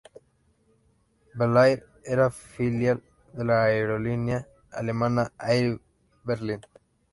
Belair era filial de la aerolínea alemana Air Berlin.